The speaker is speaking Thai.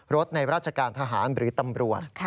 ในราชการทหารหรือตำรวจ